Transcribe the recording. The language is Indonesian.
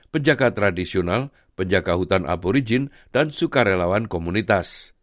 penjaga tradisional penjaga hutan dan pengelola hutan